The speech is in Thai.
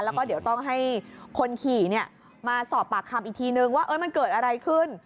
แล้วก็เดี๋ยวต้องให้คนขี่มาสอบปากคำอีกทีนึงว่ามันเกิดอะไรขึ้น